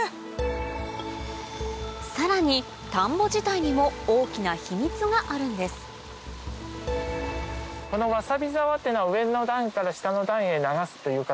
さらに田んぼ自体にも大きな秘密があるんですがあるんです。